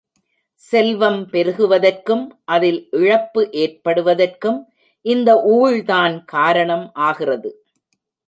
செல்வம் பெருகுவதற்கும், அதில் இழப்பு ஏற்படுவதற்கும் இந்த ஊழ்தான் காரணம் ஆகிறது.